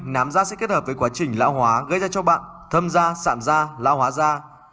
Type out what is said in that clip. nám da sẽ kết hợp với quá trình lão hóa gây ra cho bạn thơm da sản da lão hóa da